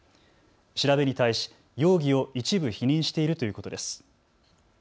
調べに対し容疑を一部否認しているということです。